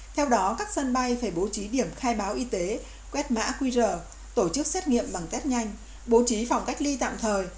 theo đó các sân bay phải bố trí điểm khai báo y tế quét mã qr tổ chức xét nghiệm bằng test nhanh bố trí phòng cách ly tạm thời